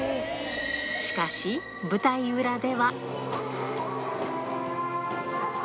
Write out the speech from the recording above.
しかし、舞台裏では。